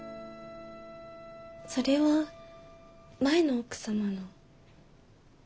それは前の奥様の。